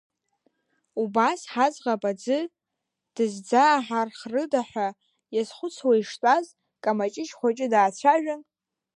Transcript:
Убас ҳаӡӷаб аӡы дызӡааҳархрыда ҳәа иазхәыцуа иштәаз Камаҷыҷ хәыҷы даацәажәан…